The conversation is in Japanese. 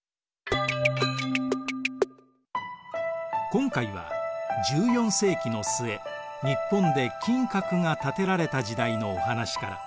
今回は１４世紀の末日本で金閣が建てられた時代のお話から。